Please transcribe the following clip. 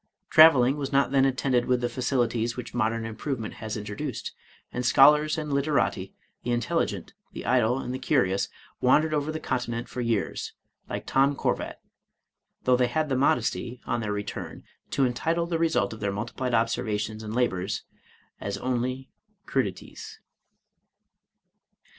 Traveling was not then attended with the facilities which modem improvement has introduced, and scholars and literati, the intelligent, the idle, and the curious, wandered over the Continent for years, like Tom Corvat, though they had the modesty, on their return, to entitle the result of their multiplied obser vations and labors only " crudities."